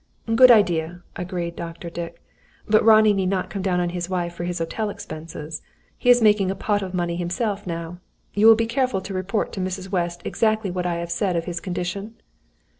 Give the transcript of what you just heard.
"Good idea," agreed Dr. Dick. "But Ronnie need not come down on his wife for his hotel expenses! He is making a pot of money himself, now. You will be careful to report to Mrs. West exactly what I have said of his condition?"